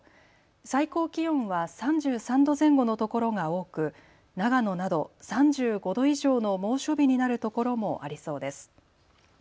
最高気温は３３度前後の所が多く長野など３５度以上の猛暑日になる所もありそうです。